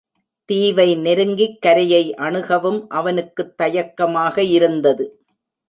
தீவை நெருங்கிக் கரையை அணுகவும் அவனுக்குத் தயக்கமாக இருந்தது.